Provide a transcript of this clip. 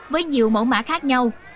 với nhiều mẫu mã khác nhau